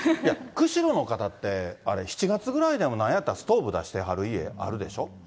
釧路の方って、７月ぐらいでもなんやったら、ストーブ出してはる家、あるでしょ。